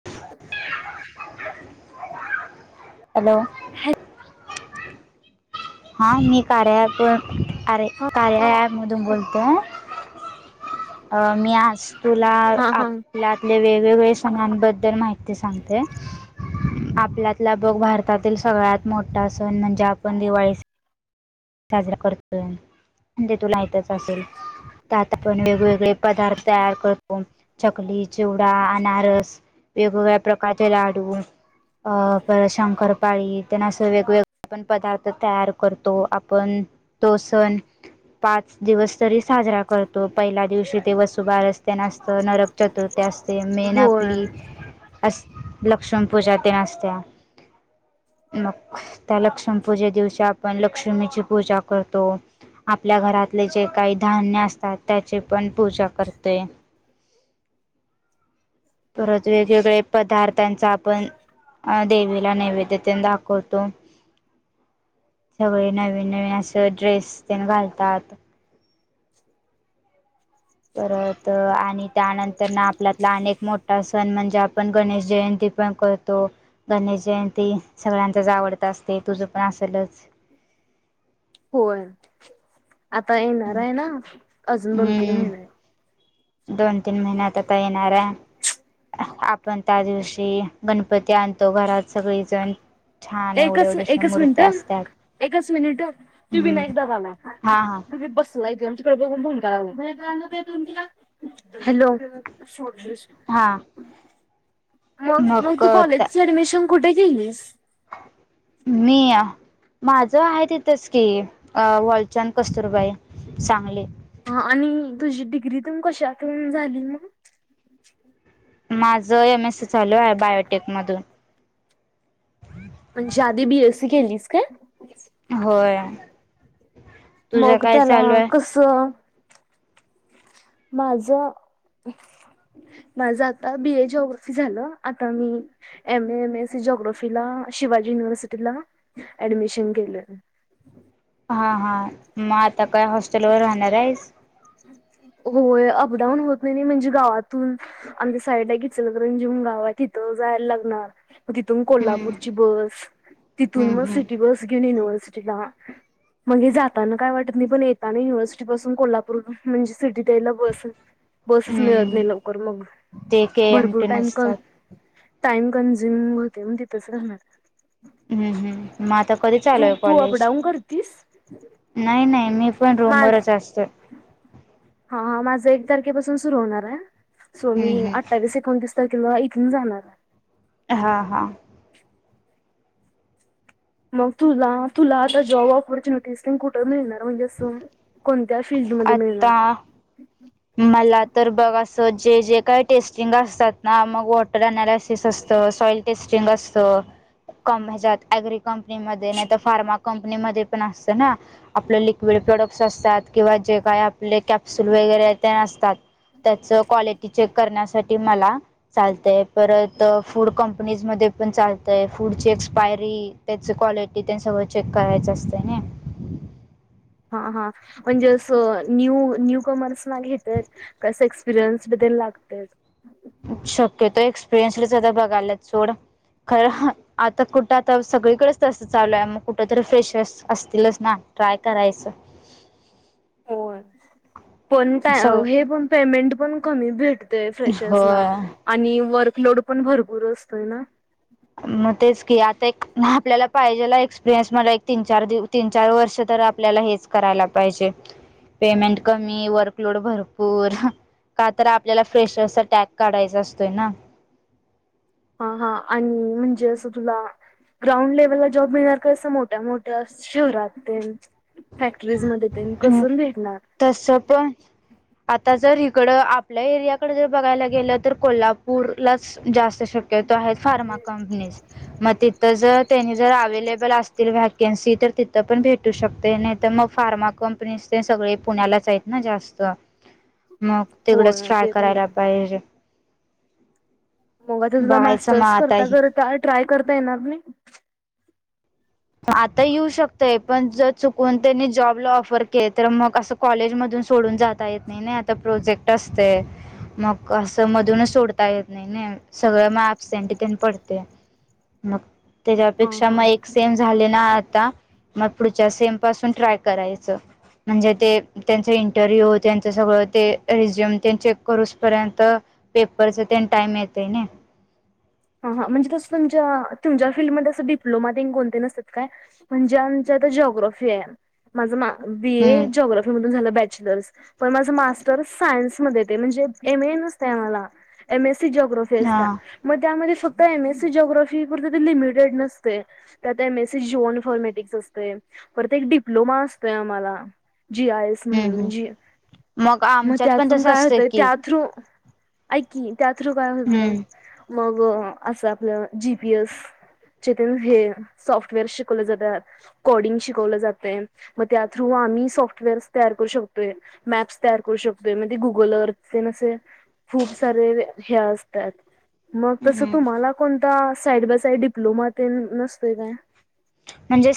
रिकामा audio hello. हॅ हा मी कार्या अपवर कार कार्यालमधून बोलते. अ मी आज तुला हा हा आपल्या तें वेगवेगळे सणांबद्दल माहिती सांगते. आपल्यातला बघ भारतातील सगळ्यात मोठा सण म्हणजे आपण दिवाळी साजरा करतोय म्हणजे तुला यतच असेल. त्यात आपण वेगवेगळे पदार्थ तयार करतो चकली, चिवडा, अनारस. वेगवेगळ्या प्रकारचे लाडू. अ पर शंकरपाळी त्यांना असं वेगवेगळे पण पदार्थ तयार करतो. पण तो सण. पाच दिवस तरी साजरा करतो पहिल्या दिवशी तेवसुबारस असत नरक चतुर्थ ते असते. मेन होय आपली अस लक्ष्म पूजा ते असत्या मग त्या लक्ष्मी पूजे दिवशी आपण लक्ष्मीची पूजा करतो. आपल्या घरातले जे काही धान्य असतात, त्याची पण पूजा करतो. ते परत वेगवेगळे्या पदार्थांचा आपण अ देवीला नैवेद्य तेन दाखवतो सगळे नवीन नवीन असं ड्रेस तेन घालतात परत आणि त्यानंतर ना आपल्यातला अनेक मोठ सण म्हणजे आपण गणेश जयंती पण करतो, गणेश जयंती सगळ्यांचाच आवडतात अस तुझं पण असलच होय. आता येणार आहे ना. अजून दोन तीन हम्म महिने दोन तीन महिन्यात आता येणारा आपण त्या दिवशी गणपती आणतो, घरात सगळीजण छान एवढे एकच एवढेशा एकच मिनिट, मूर्त्या असतात एकच मिनिट तू हम्म विनायक दादा आला हा हा तु बसलाय हॅलो हा मग, मग तू कॉलेजच ऍडमिशन कुठे केलीस? मीया माझं हाय तिथच की, वॉलचांद कस्तुरबाई, सांगली हा आणि तुझी डिग्री त कशातून झाली मग? माझ एम एससी चालू आहे. बायोटेक मधून म्हणजे आधी बीएससी केलीस काय? होय तुझं मग काय त्याला चालू आहे कस? - - माझ माझ आता, बी ए जओग्रफी झालं आता, मी एम एम एसी जोग्रफीला शिवाजी युनिव्हर्सिटीला ऍडमिशन केलं. ह हा हा म होय लॉकडाऊन होत नाही नाही म्हणजे गावातून आमच्या साईड घचल कारण जेव गावात तिथं जायला लागणार मग तिथून हम्म कोल्हापूरची बस तिथून हम्म मग हम्म सिटी बस घेऊन यनिव्हर्सिटीला म्हगे जाताना काय वाटत मी पण युनिव्हर्सिटी पासून कोल्हापूर म्हणजे सिटी द्यायला बस बसेच मिळत हम्म नाही लवकर मग ते के एम भरपूर टी टाईम कत नसतात टाइम कं्झ्युम होते मण तिथंच राहणार हम्म हम् मग आता कधी तू चालूय तू कॉलेज अपडाऊन करतीस? नाही नाही मी पण माझ रोमवररच असत हा हा माझा एक तारखेपासून सुरू होणार आहे सो मी हम्म हम्म. अठ्ठावीस एकोणतीस किंवा इथून जाणार हा हा मग तुला तुला आता जॉब ऑपॉर्च्युनिटीज कुठं मिळणार म्हणजे अस कोणत्या फिल््डमध्ये मिळणार आता मला तर बघ असं जे जे काय टेस्टिंग असतात ना मग वॉटर अनालासिस असत सॉईल टेस्टिंग असतं क ह्याच्यात अग्री कंपनीमध्ये नाही तर फार्मा कंपनीमध्ये पण असतं ना आपलं लिक्विड प्रोडक्ट्स असतात किंवा जे काय आपले कॅप्सुल वगैरे ते असतात त्याच क्वालिटी चेक करण्यासाठी मला चालतय परत फूड कंपनीज म चाल फूड ची एक्सपायरी त्या क्वालिटी सगळं चेक करायच असत ना [inaudible] हा हा म्हणजे अस न्यू न्यू कमर्स ना घेतय कस एक्सपिरय ते लागतेच. शक्यतो एक्सपिरियन्सलाच बघायला सोड. खर आता कुठं आता सगळीकडेच तसं चालू आहे मग कुठ तरी फ्रेश असतीलच ना. ट्राय करायचं. होय. पण सगळ हे पण पेमेंट पण कमी भेटतेय फ्रेशरस ना होय आणि वर् लोड पण भरपूर असतोय ना. कि आता एक आपल्याला पाहिजेला एक्सपिरियन्स मला एक तीन चारव तीन चार वर्ष तर आपल्याला हेच करा. पाहिजे पेमेंट कमी वर्कलोड भरपूर. का तर आपल्याला फ्रेशरचा टॅग काढायचा असतोय ना. हा हा आणि म्हणजे असं तुला ग्राउंड लेव्हलला जॉब मिळणार का अस मोठ्या मोठ्या शहरात तेन फॅक्ट्रॉइस हम् तस पण आता जर. इकडं आपल्या एरियाकडे जर बघायला गेलं तर कोल्हापूरलाच जास्त शक्यत. तिथं आहे फर्मा कंपनी मगं तिथं जर त्यांनी जर अव्हेल अस व्हकन्सी तर तिथ पण भेटू शकते नाही तर मग फार्मा. कंपनी ते सगळे पुण्यालाच आहेत ना जास्त. मग तिकडंच होय ट्राय ते पण करायला आहे पाहिजे. मग आ ते तुला बघायचं मग मास्टर्स आता करता हे कर ट्राय करता येणारी. आता येऊ शकतय पण जर चुकून त्यांनी जॉबला ऑफर केले तर मग अस कॉलेजमधून. सोडून जाता येत नाही नाही आता प्रोजेक्ट असते. मग असं मधूनच सोडता येत नाही ना सगळं मग अबसेंटथ पडते. मग त्याच्या हा अपेक्षा मग हा एक. सेम झाले ना आता मग पुढच्या सेम पासून ट्राय करायचं. म्हणजे ते त्यांच इंटरव्ह्यू त्यांचं सगळं ते रिझ्यूम त्यां चे करूस पर्यंत. पेपरचा त्यांनी टाईम येतय ना. म्हणजे त तुम फीलड डिप्लोणत म्हण. ज्र माझ बी हम्म ज्राी झा बच. बॅचजेलरस पण माझं मास्टर सायन्स मध्ये म्हणजे एमए नसतंय आम्हाला एमस जोग्राफी हा असत म फक्त एम एससी ज्राफी लिमिटेड नसते त्यात एम एसी जोन फॉर्मेटिक् अस. परत एक डिप्लोमा असतोय आम्हाला. जी आयस हम्म म्हणून हम्म जी मग आमच्यात पण त्यातून तसं काय असतं होतंय की त्या थ्रू ऐक कि त्या थ्रू काय होतंय हम्म मग असं आपलं जीपीएस. हे सॉफ्टवेअर शिकवल जातात कोडिंग शिकवलं जाते मग त्या थ्रू आम्ही सॉफ्टवेअर्स तयार करू शकतोय मॅप्स तयार करू शकतोय म्हणे गुगल अर्थचे असे. खूप सारे हे असतात. मग तस हम्म तुम्हाला कोणता साईड बाय साईड डिप्लोमा ते नसतोय काय? म्हणजे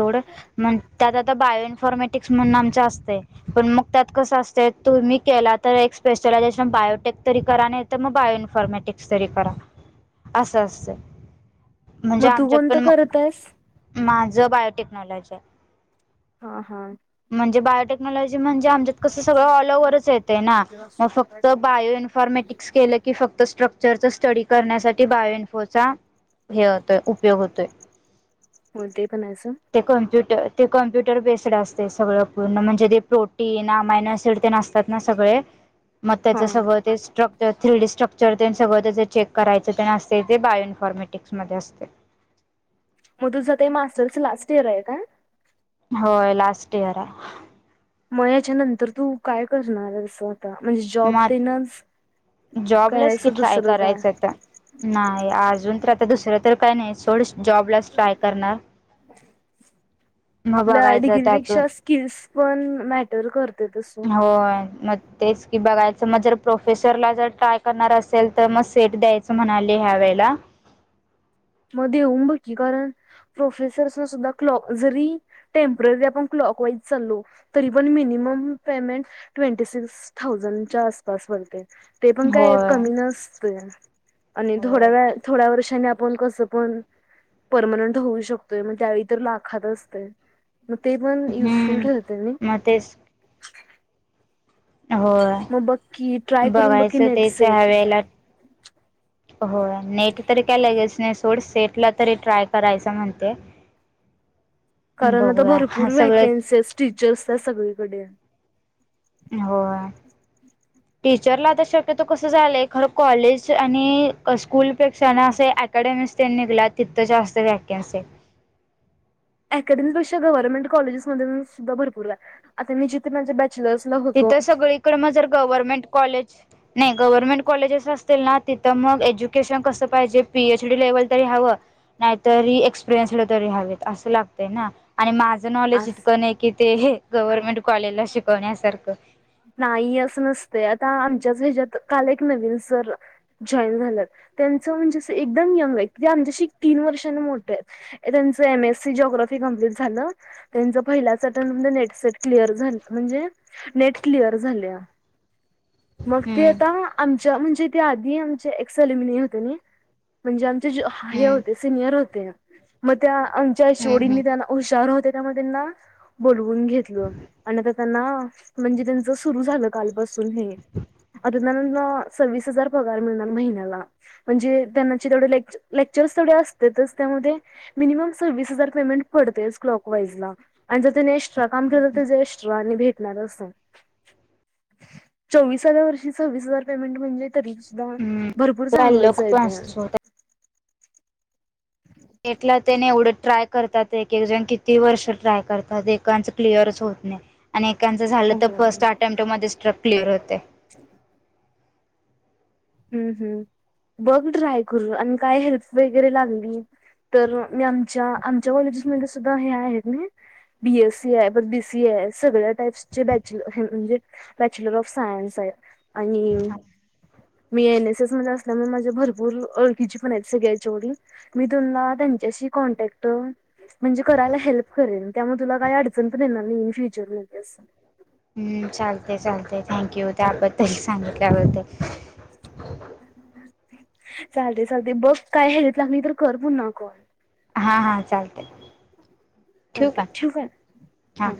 थोड म्हण. त्यात आता बायो इन्फॉर्मेटिक्स म्हणून आमच असते पण मग त्यात कसं असते तुम्ही केला तर. स्पेशलायझेशन बायोटेक तरी करा नाही तर मग बायो इन्फॉर्मॅटिक्स तरी करा. अस असतंय. म्हणजे मग तू आमच्यात कोणतं पण करत आहेस माझं बायोटेक्नॉलॉजी आहे. हा हा. म्हणजे बायोटेक्नॉलॉजी म्हणजे आमच्यात कसं सगळं ऑल ओव्हच येते ना मग फक्त बायो इन्फ मेटिक केलं की फक्त स्ट्रक् रचा स्टडी करण्यासाठी बायोएनफोचा हे होतोय उपयोग होतोय. हो ते पणसं. ते कम्प्युटर ते कम्प्युटर बेस्ड असते सगळं पूर्ण म्हणजे ते प्रोटीन अमायनो असिड ते नसतात ना सगळे. मग हा त्याचं सगळं ते स्ट्रक थ्री डी स्ट्रक्चर ते सगळं जे चेक करायचं ते असते ते बायो इन्फॉर्मेटिक्समध्ये असते मधु जात मास्टरच लास्ट इयर आहे का होय लास्ट इयर मग याच्यानंतर तू काय करणार अस आता म्हणजे जॉब तेणच जॉबलेस कि ट्राय करायच आता नाही अजून तर आता दुसरं तर काय नाही सोडस जॉबलाच ट्राय करणार मग आपल्या बघायचं त्यातून डिग्रीपेक्षा स्किल्स पण मॅटर करत होय म तेच की बघायचं मग जर प्रोफेसरला जर ट्राय करणार असेल तर मग सेट द्यायचं म्हणाले ह्यावे ला [unintelligible] मग देउन बग की कारण प्रोफेसरसना सुद्धा क्लाकजरी टेंपररी काँक वाईज चालो तरी पण मिनिमम पेमेंट ट्वेंटी सिक्स थाउजंडच्या आसपास भरते ते पण काय होय कमी नसत आणि थोड्या होय व थोड्या वर्षानी कस पण परमनंट होऊ शकतोय त्या लाखात असते मग ते पण युजफुल हम्म ठरते म मग तेच होय मग बघ की ट्राय करून बघ की बघायचं नेट तेच सेट ह्यावेळेला होय नेट तर काय लगेच नाही थोड सेट ला तरी ट्राय करायच म्हणते कारण आता बघूया भरपूर सगळं व्हॅकन्सी टीचर्स त्या सगळीकडे होय टीचरला शक्यतो कस झालंय खर कॉलेज आणि स्कूलपेक्षा ना अस अकॅडमिक्स ते निघला तिथं जास्त वॅकन्ससी अँकेडमीपेक्षा ग्हरनमेंट कॉलेजेस मधे सुद्धा भरपूर आहे आता मी जिथे माझे ब तिथं सगळीकडे मग जर गव्हर्नमेंट कॉलेज नाही गव्हर्नमेंट कॉलेजेस असत असेल ना तिथं मग एज्युकेशन कसं पाहिजे पीएच डी लेव्हल तरी हवं नाहीतरी एक्सपिरियनस तरी हवेत असं लागतंय ना आणि माझ नॉलेज आज इतकं नाही कि ते गव्हर्नमेंट कॉलेजला शिकवण्यासारखं नाही अस नसतय आता आमच्याच ह्याच्यात काल एक नवीन सर जॉईन झाल्यात त्यांचं म्हणजे एकदम यंग आहे क आमच्याशी तीन वर्षांनी मोठ आहे त्यांच एम एस सी जॉग कंप्लिट झाल तेंच पहिल्याच टर्म मधे नेट क्लिअर झाल म्हणजे नेट क्लिअर झाल्या मग ते हम्म आता आमच्या म्हणजे ते आधी आमचे एक्सलिमिनी होते म्हणजे आमचे हायर हम्म होते सिनियर होते ते मग त्या आमच्या एच ओ डि हम्म हम्म नी त्यांना हुशार होत त्यामुळ तेंना बोलवून घेतल आणी त्यांना म्हणजे त्यां सुरू झा कालपासन सुन हे आत ना सव्वीस हजार पगर मिळणार महिन्याला म्हणजे त्यांना [unintelligible] लेक लेकचरस तेवढे अस त्या मिनमम सव्विस हजार पेमेंट पडते क्लॉक वाईज ला. आणि जर त्याने एक्स्ट्रा काम केलं तर ते जे एक्स्ट्रा आणि भेटणार असं चोविसाव्या वर्षी सव्विस हजार पेमेंट म्हणजे तरी सुद्धा हम्म भरपूर काही चांगलच लोक आहे पण ते. असतो भेटला तेने एवढं ट्राय करतात एक एक जण किती वर्ष ट्राय करतात एकाच क्लिअरच होत नाही आणि एाकांचं झालं तर फर्स्ट हम्म. अटेम्ट मध्ये स्ट्रक क्लिअर होते. [unintelligible] हम्म हम्म बघ ट्राय करून आणि काय हेल्प वगैरे लागली तर मी आमच्या आमच्या कॉलेजेसमध्ये सुद्धा हे आहेत ना बी एस सी आहे प बी सी ए आहे सगळ्या टाईप्सचे बॅचलर म्हणजे बॅचलर ऑफ सायन्स आहे. आणि मी एन एसस मधे असलेल्या माझ्या भरपूर ओळखीच्या पण आहेत सगळ्या जेवढी मी तुला त्यांच्याशी काँन्टाक्ट काँन्टँक्ट म्हणजे करायला हेल्प करेल त्यामुळे तुला काही अडचण पण येणार नाही इन फ्युचरमध्ये अस. हम्म चालतय. ते थँक्यू त्याबद्दल सांगितल्या बद्दल. [unintelligible] चालतंय चालतंय बघ काय हेल्प लागली तर कर पुन्हा कॉल. हा हा चालतंय. ठेऊ काय चालते ठेवू हा.